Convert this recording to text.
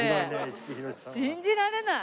信じられない。